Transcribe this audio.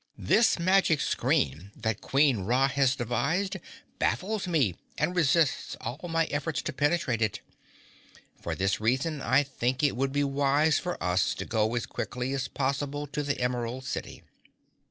"This magic screen that Queen Ra has devised baffles me and resists all my efforts to penetrate it. For this reason I think it would be wise for us to go as quickly as possible to the Emerald City.